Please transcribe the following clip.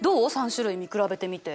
３種類見比べてみて。